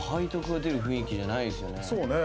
そうね。